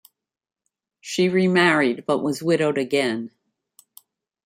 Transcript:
She remarried but was widowed again.